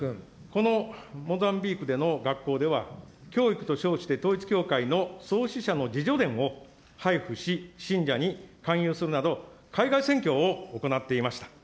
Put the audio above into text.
このモザンビークでの学校では、教育と称して統一教会の創始者の自叙伝を配布し、信者に勧誘するなど、海外宣教を行っていました。